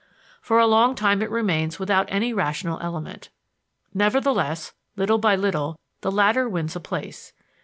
For a long time it remains without any rational element. Nevertheless, little by little, the latter wins a place.